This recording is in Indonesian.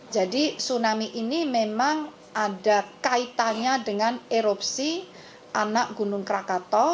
jadi tsunami ini memang ada kaitannya dengan erupsi anak gunung krakatau